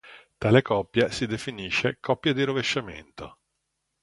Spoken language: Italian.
Tale coppia si definisce "coppia di rovesciamento".